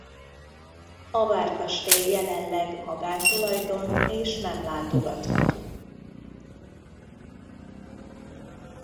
A várkastély jelenleg magántulajdon és nem látogatható.